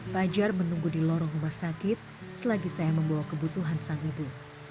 fajar menunggu di lorong rumah sakit selagi saya membawa kebutuhan sang ibu